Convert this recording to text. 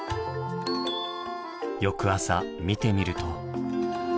翌朝見てみると。